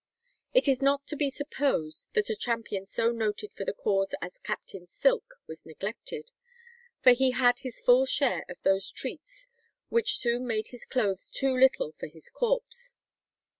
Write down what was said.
"It is not to be supposed that a champion so noted for the cause as Captain Silk was neglected; for he had his full share of those treats which soon made his clothes too little for his corpse."